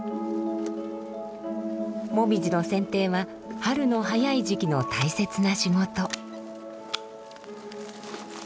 モミジの剪定は春の早い時期の大切な仕事。